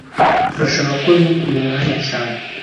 Turashaka ko wibuka uyu mwanya cyane